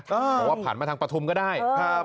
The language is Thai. เพราะว่าผ่านมาทางประทุมก็ได้